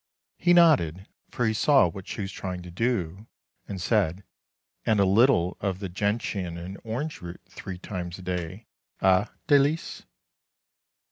He nodded, for he saw what she was trying to do, and said :" And a little of the gentian and orange root three times a day — eh, Dalice